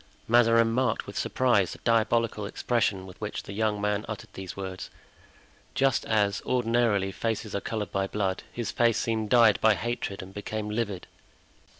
Mazarin marked with surprise the diabolical expression with which the young man uttered these words. Just as, ordinarily, faces are colored by blood, his face seemed dyed by hatred and became livid.